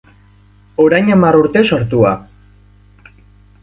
Orain hamar urte sortua.